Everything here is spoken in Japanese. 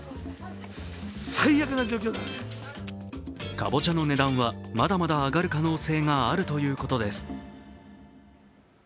かぼちゃの値段はまだまだ上がる可能性があるということです。